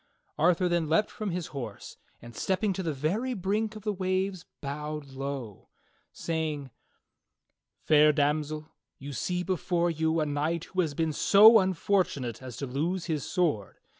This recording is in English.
Arthur then leaped from his horse, and stepping to the very brink of the waves, bowed low, saying: "Fair Damsel, you see before you a knight who has been so unfor tunate as to lose his sword.